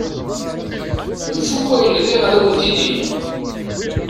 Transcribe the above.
Ifuk wayen riɣ ad awen-t-id-iniɣ.